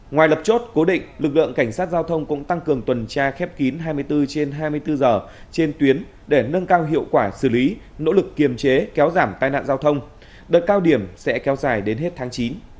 ngoài lập chốt cố định lực lượng cảnh sát giao thông cũng tăng cường tuần tra khép kín hai mươi bốn trên hai mươi bốn giờ trên tuyến để nâng cao hiệu quả xử lý nỗ lực kiềm chế kéo giảm tai nạn giao thông đợt cao điểm sẽ kéo dài đến hết tháng chín